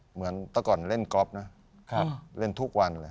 เหมือนแต่ก่อนเล่นก๊อฟนะเล่นทุกวันเลย